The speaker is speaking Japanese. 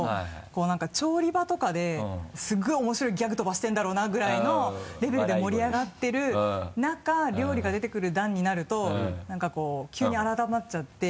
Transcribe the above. こう何か調理場とかですごい面白いギャグ飛ばしてるんだろうなぐらいのレベルで盛り上がってる中料理が出てくる段になると何かこう急に改まっちゃって。